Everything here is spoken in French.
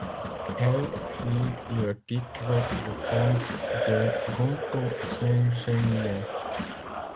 Elle prit le titre de comte de Gontaut Saint-Genièz.